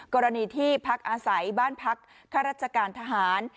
กรณีที่พักอาศัยบ้านพักข้าราชการทหาร